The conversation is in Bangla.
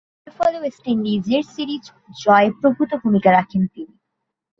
এরফলে ওয়েস্ট ইন্ডিজের সিরিজ জয়ে প্রভূতঃ ভূমিকা রাখেন তিনি।